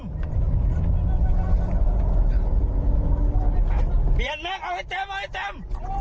เปลี่ยนแม็กซ์เอาไว้เต็มเอาไว้เต็ม